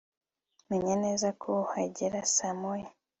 Menya neza ko uhagera saa moya